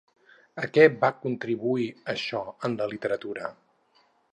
A què va contribuir això en la literatura?